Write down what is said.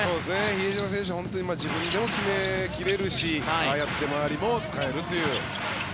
比江島選手自分でも決められるしああやって周りも使えるという。